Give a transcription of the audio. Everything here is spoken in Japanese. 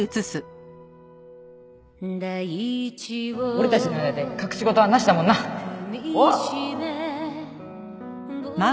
俺たちの間で隠し事はなしだもんな。おう！